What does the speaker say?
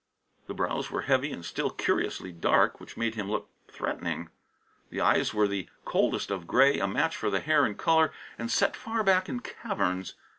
The brows were heavy, and still curiously dark, which made them look threatening. The eyes were the coldest of gray, a match for the hair in colour, and set far back in caverns.